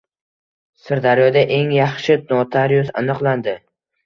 Sirdaryoda eng yaxshi notarius aniqlandi